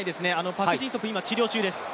パク・ジンソプ、今、治療中です。